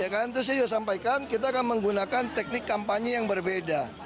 ya kan itu saya juga sampaikan kita akan menggunakan teknik kampanye yang berbeda